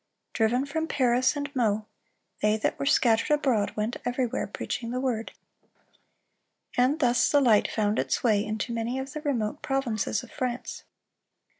(330) Driven from Paris and Meaux, "they that were scattered abroad went everywhere preaching the word."(331) And thus the light found its way into many of the remote provinces of France.